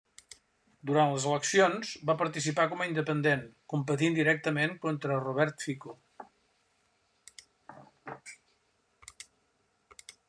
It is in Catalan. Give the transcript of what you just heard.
Durant les eleccions, va participar com a independent, competint directament contra Robert Fico.